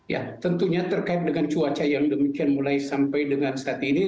ya tentunya terkait dengan cuaca yang demikian mulai sampai dengan saat ini